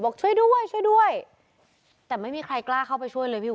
ช่วยด้วยช่วยด้วยแต่ไม่มีใครกล้าเข้าไปช่วยเลยพี่อุ